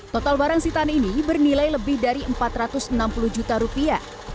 total barang setan ini bernilai lebih dari rp empat ratus enam puluh juta